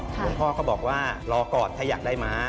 หลวงพ่อก็บอกว่ารอก่อนถ้าอยากได้ม้า